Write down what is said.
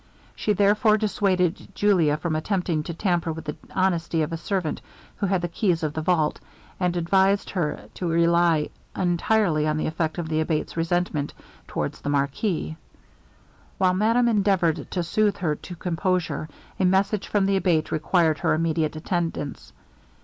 She therefore dissuaded Julia from attempting to tamper with the honesty of a servant who had the keys of the vaults, and advised her to rely entirely on the effect of the Abate's resentment towards the marquis. While madame endeavoured to soothe her to composure, a message from the Abate required her immediate attendance.